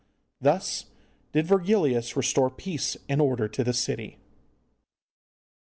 Thus did Virgilius restore peace and order to the city.